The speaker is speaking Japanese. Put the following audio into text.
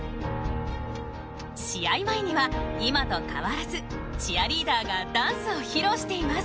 試合前には今と変わらずチアリーダーがダンスを披露しています。